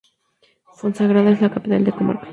Fonsagrada es la capital de la comarca.